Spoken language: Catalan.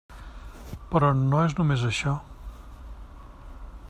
Però no és només això.